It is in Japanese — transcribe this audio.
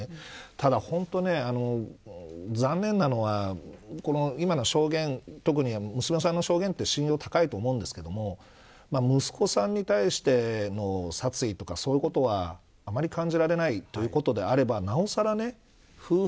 ただ、本当に残念なのは今の証言特に娘さんの証言は信用が高いと思うんですが息子さんに対しての殺意とかそういうことは、あまり感じられないということであればなおさら夫婦